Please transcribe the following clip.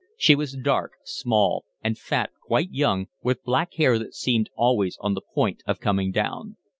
She was dark, small, and fat, quite young, with black hair that seemed always on the point of coming down.